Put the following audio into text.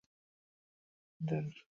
ধন্যবাদ, ধন্যবাদ, ধন্যবাদ আপনাদের।